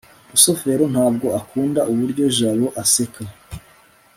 rusufero ntabwo akunda uburyo jabo aseka